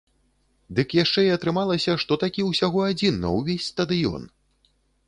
Дык яшчэ і атрымалася, што такі ўсяго адзін на ўвесь стадыён!